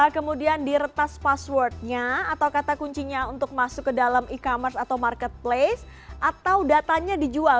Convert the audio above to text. kemudian diretas passwordnya atau kata kuncinya untuk masuk ke dalam e commerce atau marketplace atau datanya dijual